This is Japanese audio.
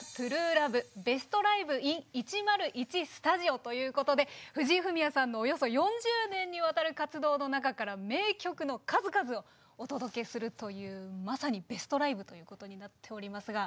今夜はということで藤井フミヤさんのおよそ４０年にわたる活動の中から名曲の数々をお届けするというまさにベストライブということになっておりますが。